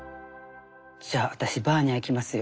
じゃあ私バーニャいきますよ。